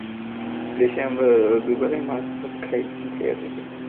দেশে আমরা দুবেলাই মাছ-ভাত খাইয়া থাকি।